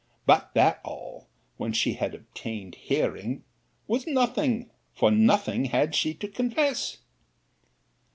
But that all, when she had obtained a hearing, was nothing: for nothing had she to confess.